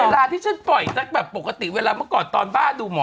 เวลาที่ฉันปล่อยสักแบบปกติเวลาเมื่อก่อนตอนบ้าดูหมอ